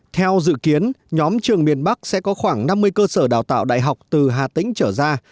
theo dự kiến nhóm trường miền bắc sẽ có khoảng năm mươi cơ sở đào tạo đại học từ hà tĩnh trở ra